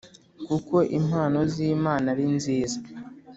kuko impano z Imana ari nziza